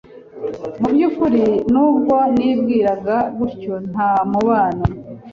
Mu byukuri nubwo nibwiraga gutyo nta mubano